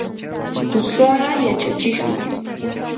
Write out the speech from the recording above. qusaa yachachiqmi.